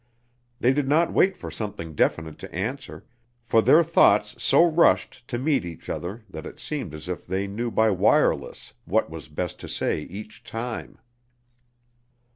They did not wait for something definite to answer, for their thoughts so rushed to meet each other that it seemed as if they knew by wireless what was best to say each time.